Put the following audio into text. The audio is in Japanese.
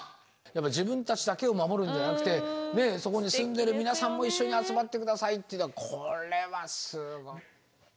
自分たちだけを守るのではなくてそこに住んでる皆さんも一緒に集まって下さいというのはこれはすごい。